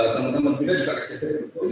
teman teman juga juga kata